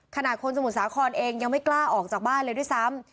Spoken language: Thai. ขนาดคนสมุทรสาครเองยังไม่กล้าออกจากบ้านเลยด้วยซ้ำ